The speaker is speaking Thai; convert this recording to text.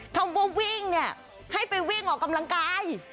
คำว่าวิ่งเนี่ยให้ไปวิ่งออกกำลังกาย